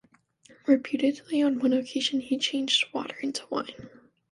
Reputedly on one occasion he changed water into wine.